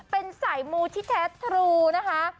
เป็นสายมูที่แท้ทรูนะคะ